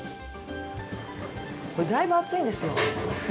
だいぶ熱いんですよ。